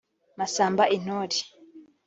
Masamba Intore